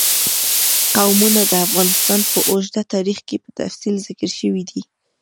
قومونه د افغانستان په اوږده تاریخ کې په تفصیل ذکر شوی دی.